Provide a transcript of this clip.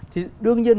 thì đương nhiên